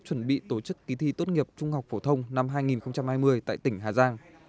chuẩn bị tổ chức kỳ thi tốt nghiệp trung học phổ thông năm hai nghìn hai mươi tại tỉnh hà giang